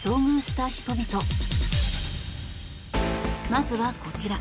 まずはこちら。